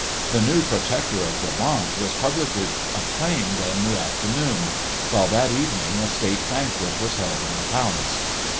The new Protector of Brabant was publicly acclaimed in the afternoon; while, that evening, a state banquet was held in the palace.